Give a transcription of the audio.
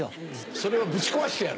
それをぶち壊してやる！